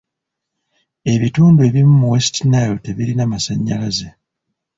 Ebitundu ebimu mu West Nile tebirina masannyalaze.